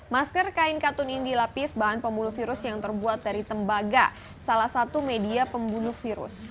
masker kain katun ini dilapis bahan pembuluh virus yang terbuat dari tembaga salah satu media pembunuh virus